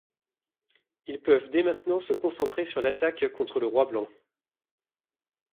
Ils peuvent dès maintenant se concentrer sur l'attaque contre le roi blanc.